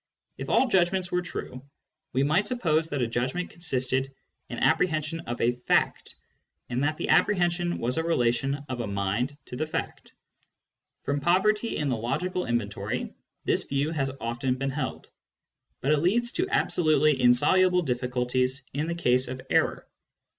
If all judgments were true, we might suppose that a judgment consisted in apprehension of ayi^/, and that ' the apprehension was a relation of a mind to the fact. From poverty in the logical inventory, this view has often been held. But it leads to absolutely insoluble difficulties in the case of error.